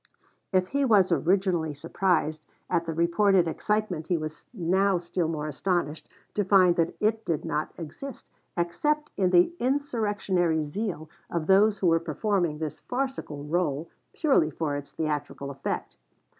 If he was originally surprised at the reported excitement he was now still more astonished to find that it did not exist except in the insurrectionary zeal of those who were performing this farcical rôle purely for its theatrical effect.